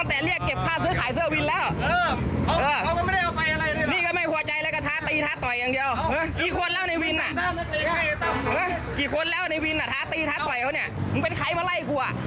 มึงจะทำไงทำไม